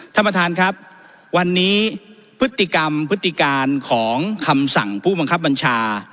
ท่านประธานครับวันนี้พฤติกรรมพฤติการของคำสั่งผู้บังคับบัญชา